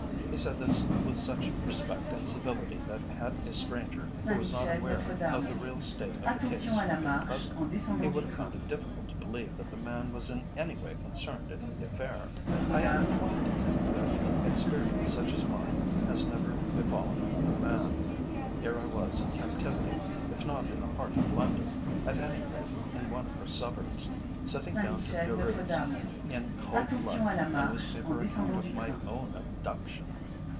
He said this with such respect and civility that had a stranger who was not aware of the real state of the case been present, he would have found it difficult to believe that the man was in any way concerned in the affair. I am inclined to think that an experience such as mine has never befallen another man. Here I was in captivity if not in the heart of London, at any rate in one of her Suburbs sitting down to peruse, in cold blood, a newspaper account of my own abduction.